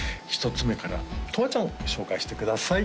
１つ目からとわちゃんご紹介してください